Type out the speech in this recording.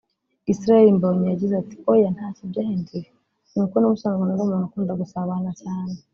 Israel Mbonyi yagize ati “ Oya ntacyo byahinduye kuko nubusanzwe nari umuntu ukunda gusabana cyane